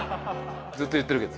ずっと言ってるけど。